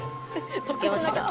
描けました。